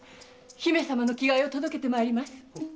姫君の着替えを届けてまいります。